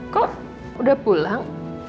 kok udah pulang